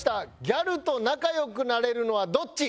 ギャルと仲良くなれるのはどっち？